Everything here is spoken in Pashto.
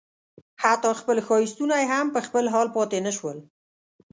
حتی خپل ښایستونه یې هم په خپل حال پاتې نه شول.